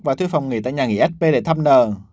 và thuê phòng nghỉ tại nhà nghỉ sp để thăm nờ